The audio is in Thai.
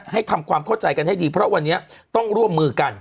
ทำความเข้าใจกันให้ดีเพราะวันนี้ต้องร่วมมือกัน